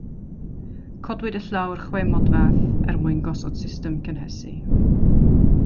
Codwyd y llawr chwe modfedd er mwyn gosod system gynhesu.